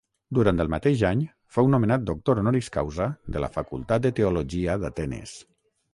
Durant el mateix any fou nomenat Doctor Honoris Causa de la Facultat de Teologia d'Atenes.